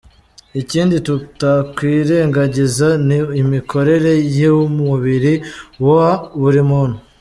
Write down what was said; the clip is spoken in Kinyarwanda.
Ikindi tutakwirengagiza ni imikorere y’umubiri wa buri muntu.